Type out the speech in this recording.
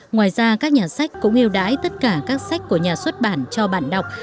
ngoài ra các nhà sách cũng yêu đáy tất cả các sách của nhà xuất bản cho bạn đọc